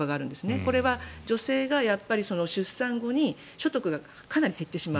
これは女性が出産後に所得がかなり減ってしまう。